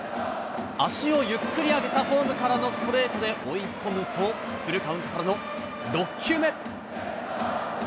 足をゆっくり上げたフォームからのストレートで追い込むと、フルカウントからの６球目。